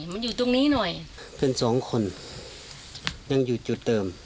มันอยู่ตรงนี้หน่อยมันอยู่ตรงนี้หน่อยเป็นสองคนยังอยู่จุดเติม